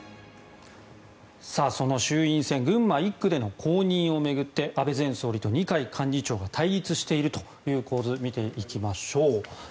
その衆院選群馬１区での公認を巡って安倍前総理と二階幹事長が対立しているという構図を見ていきましょう。